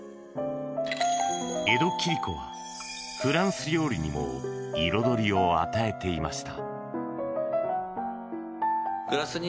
江戸切子はフランス料理にも彩りを与えていました。